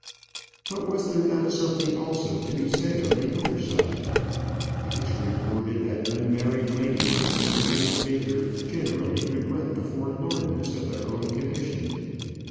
But was there not something also to be said on the other side? It is reported that unmarried ladies such as Miss Baker generally regret the forlornness of their own condition.